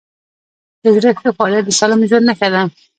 د زړه ښه فعالیت د سالم ژوند نښه ده.